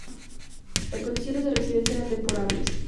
Las condiciones de residencia eran deplorables.